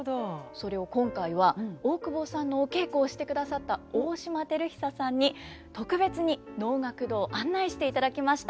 それを今回は大久保さんのお稽古をしてくださった大島輝久さんに特別に能楽堂を案内していただきました。